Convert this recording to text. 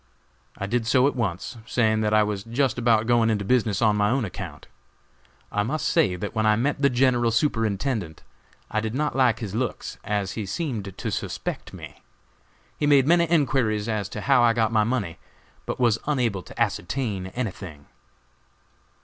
I did so at once, saying that I was just about going into business on my own account. I must say that when I met the General Superintendent I did not like his looks, as he seemed to suspect me. He made many enquiries as to how I got my money, but was unable to ascertain anything.